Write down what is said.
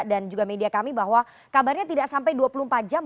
dan juga media kami bahwa kabarnya tidak sampai dua puluh empat jam